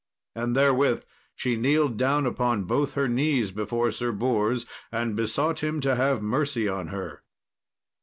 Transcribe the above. And therewith she kneeled down upon both her knees before Sir Bors, and besought him to have mercy on her.